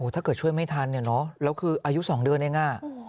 ถ้าเกิดช่วยไม่ทันเนี่ยเนอะแล้วคืออายุ๒เดือนเอง